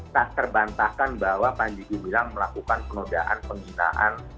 tak terbantahkan bahwa panji gumilang melakukan penodaan penghinaan